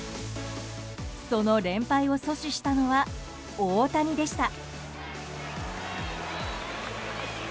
その連敗を阻止したのは大谷でした。